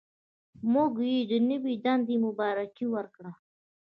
موږ یې د نوې دندې مبارکي ورکړه.